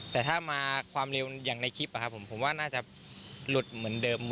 แต่ถ้ามาความเร็วอย่างในคลิปผมว่าน่าจะหลุดเหมือนเดิม